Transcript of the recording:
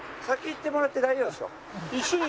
一緒に。